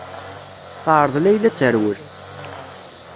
Teɛreḍ Layla ad terwel.